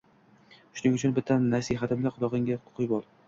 Shuning uchun bitta nasihatimni qulog'ingga quyib ol